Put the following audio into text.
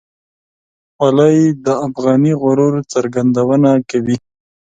خولۍ د افغاني غرور څرګندونه کوي.